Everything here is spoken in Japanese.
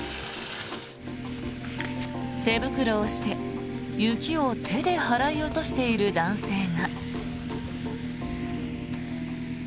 手袋をして、雪を手で払い落としている男性が。